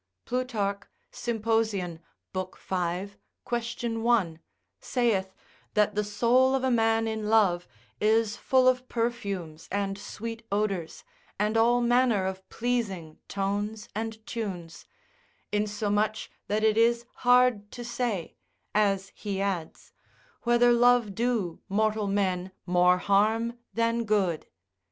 Plutarch. Sympos. lib. 5. quaest. 1, saith, that the soul of a man in love is full of perfumes and sweet odours, and all manner of pleasing tones and tunes, insomuch that it is hard to say (as he adds) whether love do mortal men more harm than good.